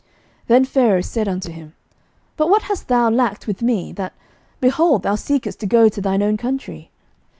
11:011:022 Then Pharaoh said unto him, But what hast thou lacked with me, that, behold, thou seekest to go to thine own country?